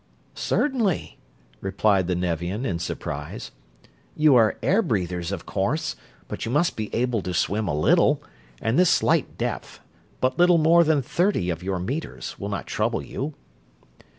"Certainly," replied the Nevian, in surprise. "You are air breathers, of course, but you must be able to swim a little, and this slight depth but little more than thirty of your meters will not trouble you."